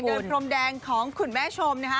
พรมแดงของคุณแม่ชมนะคะ